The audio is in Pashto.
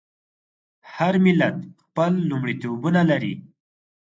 هر ملت خپل لومړیتوبونه لري.